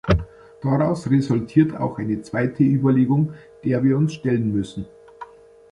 Daraus resultiert auch eine zweite Überlegung, der wir uns stellen müssen.